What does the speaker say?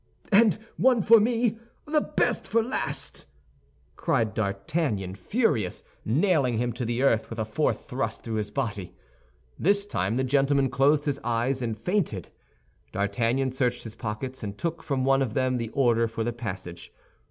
"And one for me—the best for last!" cried D'Artagnan, furious, nailing him to the earth with a fourth thrust through his body. This time the gentleman closed his eyes and fainted. D'Artagnan searched his pockets, and took from one of them the order for the passage.